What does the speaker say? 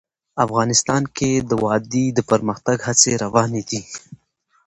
افغانستان کې د وادي د پرمختګ هڅې روانې دي.